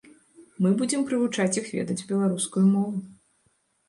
Мы будзем прывучаць іх ведаць беларускую мову.